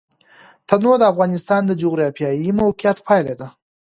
تنوع د افغانستان د جغرافیایي موقیعت پایله ده.